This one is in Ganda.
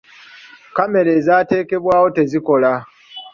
Kamera ezaatekebwawo tezikola.